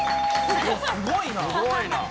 すごいな。